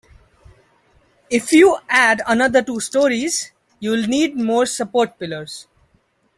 If you add another two storeys, you'll need more support pillars.